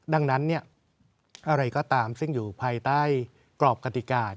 ดังนั้นอะไรก็ตามซึ่งอยู่ภายใต้กรอบกติกา